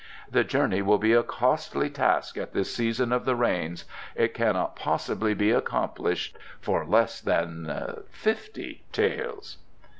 "The journey will be a costly task at this season of the rains; it cannot possibly be accomplished for less than fifty taels."